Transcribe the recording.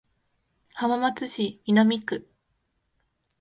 浜松市南区